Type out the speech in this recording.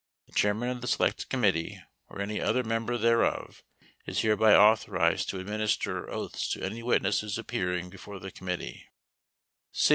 The chairman of the select 19 committee, or any other member thereof, is hereby author 20 ized to administer oaths to any witnesses appearing before 21 the committee.